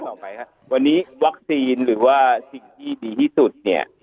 ต่อไปครับวันนี้๕๑๐๐สิ่งที่ดีที่สุดเนี่ย